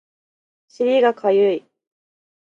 尻がかゆい